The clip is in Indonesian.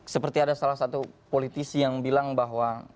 seperti ada salah satu politisi yang bilang bahwa